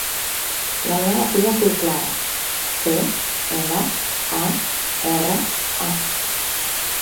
La meva filla es diu Clara: ce, ela, a, erra, a.